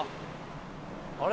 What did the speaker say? あれ？